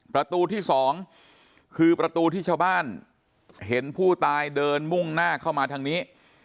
ประตูที่๒คือประตูที่ชาวบ้านเห็นผู้ตายเดินมุ่งหน้าเข้ามาทางนี้